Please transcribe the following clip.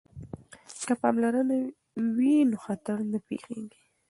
که پاملرنه وي نو خطر نه پیښیږي.